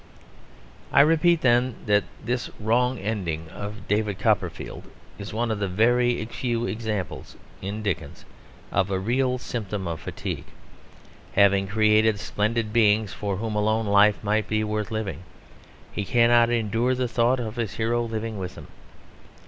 I repeat, then, that this wrong ending of David Copperfield is one of the very few examples in Dickens of a real symptom of fatigue. Having created splendid beings for whom alone life might be worth living, he cannot endure the thought of his hero living with them.